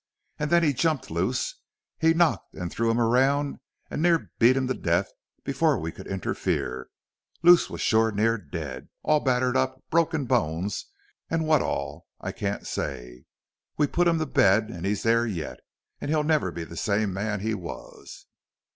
An' then he jumped Luce. He knocked an' threw him around an' he near beat him to death before we could interfere. Luce was shore near dead. All battered up broken bones an' what all I can't say. We put him to bed an' he's there yet, an' he'll never be the same man he was."